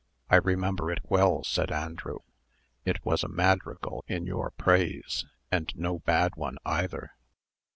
"I remember it well," said Andrew; "it was a madrigal in your praise, and no bad one either."